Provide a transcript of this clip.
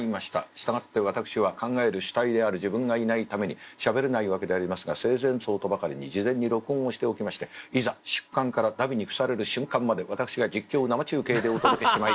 従って私は考える主体である自分がいないためにしゃべれないわけでありますが生前葬とばかりに事前に録音をしておきましていざ出棺から荼毘にふされる瞬間まで私が実況を生中継でお届けしてまいります。